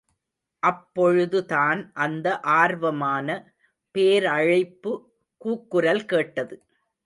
அப்பொழுதுதான் அந்த ஆர்வமான போரழைப்பு கூக்குரல் கேட்டது.